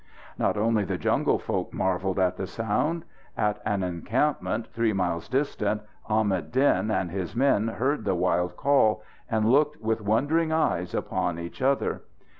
Not only the jungle folk marvelled at the sound. At an encampment three miles distant Ahmad Din and his men heard the wild call, and looked with wondering eyes upon each other.